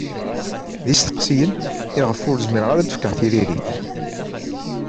D isteqsiyen i ɣef ur zmireɣ ara ad d-fkeɣ tiririt.